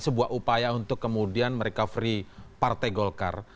sebuah upaya untuk kemudian merecovery partai golkar